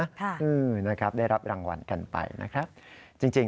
ค่ะนะครับได้รับรางวัลกันไปนะครับจริงจริง